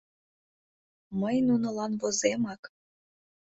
Мый нунылан воземак.